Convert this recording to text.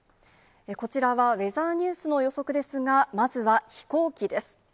こちらはウェザーニュースの予測ですが、まずは飛行機です。